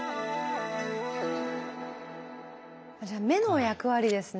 じゃあ目の役割ですね？